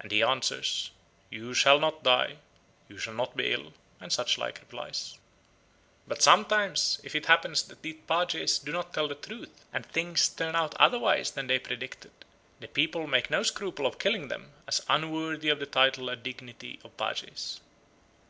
And he answers, 'You shall not die, you shall not be ill,' and such like replies. But sometimes if it happens that these pages do not tell the truth, and things turn out otherwise than they predicted, the people make no scruple of killing them as unworthy of the title and dignity of _pages.